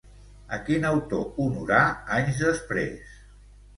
A quin autor honorà anys després?